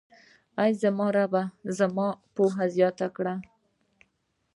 اې زما ربه، زما پوهه زياته کړه.